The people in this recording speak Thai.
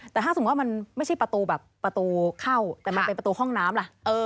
แต่ถ้าสมมุติว่ามันไม่ใช่ประตูแบบประตูเข้าแต่มันเป็นประตูห้องน้ำล่ะ